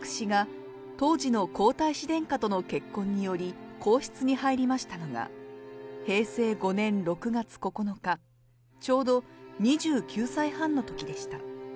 私が当時の皇太子殿下との結婚により、皇室に入りましたのが、平成５年６月９日、ちょうど２９歳半のときでした。